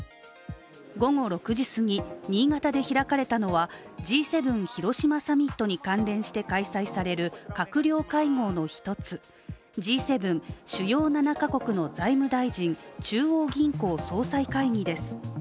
午後６時すぎ新潟で開かれたのはＧ７広島サミットに関連して開かれる閣僚会合の一つ、Ｇ７主要７か国の財務大臣・中央銀行総裁会議です。